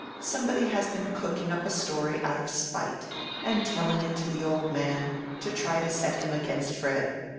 Somebody has been cooking up a story out of spite, and telling it to the old man, to try to set him against Fred.